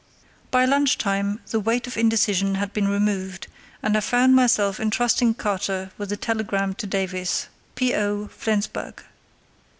By lunch time the weight of indecision had been removed, and I found myself entrusting Carter with a telegram to Davies, P.O., Flensburg.